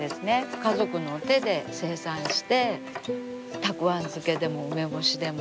家族の手で生産してたくあん漬けでも梅干しでもらっきょう漬けでも。